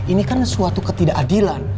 ini kan suatu ketidakadilan